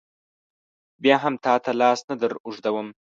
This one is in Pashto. بیا هم تا ته لاس نه در اوږدوم.